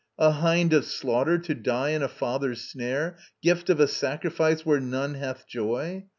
A hind of slaughter to die in a father's snare, Gift of a sacrifice where none hath joy.